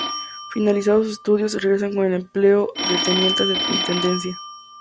Finalizados sus estudios, egresan con el empleo de tenientes de Intendencia.